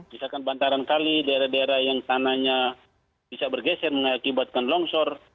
misalkan bantaran kali daerah daerah yang sananya bisa bergeser mengakibatkan longsor